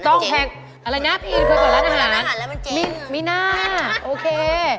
ต้องแพงอะไรนะพี่อินเปิดร้านอาหารมีหน้าโอเค